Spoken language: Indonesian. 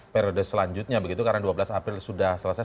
periode selanjutnya begitu karena dua belas april sudah selesai